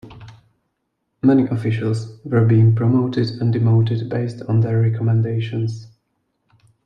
Many officials were being promoted and demoted based on their recommendations.